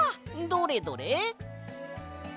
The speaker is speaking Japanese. どれどれ？